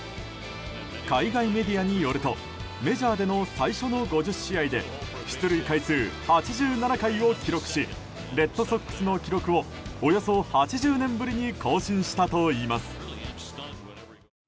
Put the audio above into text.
海外メディアによるとメジャーでの最初の５０試合で出塁回数８７回を記録しレッドソックスの記録をおよそ８０年ぶりに更新したといいます。